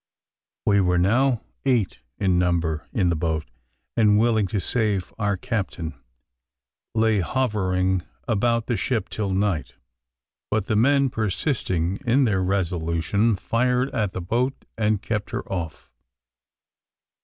We were now eight in number in the boat; and, willing to save our captain, lay hovering about the ship till night; but the men persisting in their resolution, fired at the boat and kept her off.